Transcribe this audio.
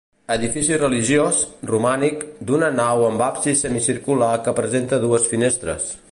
Edifici religiós, romànic, d'una nau amb absis semicircular que presenta dues finestres.